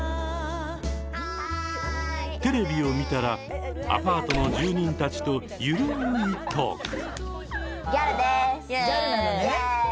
テレビを見たらアパートの住人たちと緩いトーク。